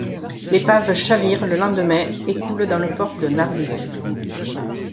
L'épave chavire le lendemain et coule dans le port de Narvik.